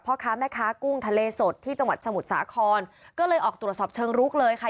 พ่อค้าแม่ค้ากุ้งทะเลสดที่จังหวัดสมุทรสาครก็เลยออกตรวจสอบเชิงลุกเลยค่ะ